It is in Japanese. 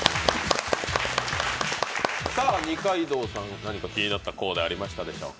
二階堂さん、何か気になったコーデありましたでしょうか？